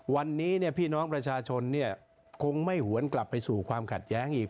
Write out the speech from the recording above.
วันนี้พี่น้องประชาชนคงไม่หวนกลับไปสู่ความขัดแย้งอีก